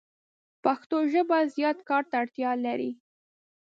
پښتو ژبه زیات کار ته اړتیا لری